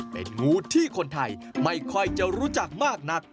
เป็นงูที่คนไทยไม่ค่อยจะรู้จักมากนัก